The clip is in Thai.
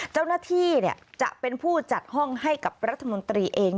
เจ้าหน้าที่จะเป็นผู้จัดห้องให้กับรัฐมนตรีเอง